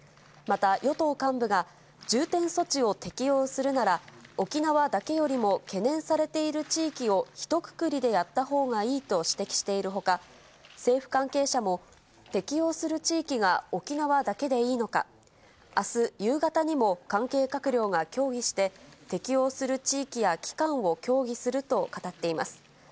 また与党幹部が、重点措置を適用するなら、沖縄だけよりも、懸念されている地域をひとくくりでやったほうがいいと指摘しているほか、政府関係者も、適用する地域が沖縄だけでいいのか、あす夕方にも関係閣僚が協議して、適用する地域や期間を協議すると語っています。